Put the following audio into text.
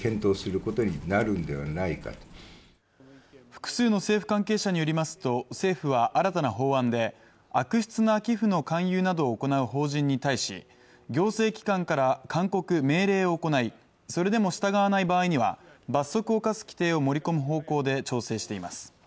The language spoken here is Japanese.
複数の政府関係者によりますと、政府は新たな法案で悪質な寄付の勧誘などを行う法人に対し行政機関から勧告、命令を行い、それでも従わない場合には罰則を課す規定を盛り込む方向で調整しています。